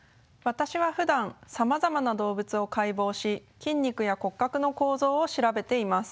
私はふだんさまざまな動物を解剖し筋肉や骨格の構造を調べています。